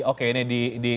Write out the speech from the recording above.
oke ini di